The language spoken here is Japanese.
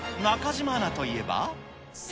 中島アナといえば。